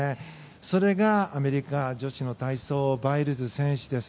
それが、アメリカ女子の体操バイルズ選手です。